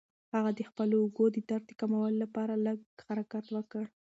هغه د خپلو اوږو د درد د کمولو لپاره لږ حرکت وکړ.